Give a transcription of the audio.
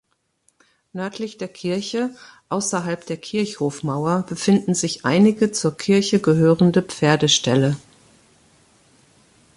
Nördlich der Kirche, außerhalb der Kirchhofmauer befinden sich einige zur Kirche gehörende Pferdeställe.